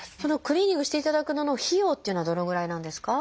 クリーニングしていただく費用というのはどのぐらいなんですか？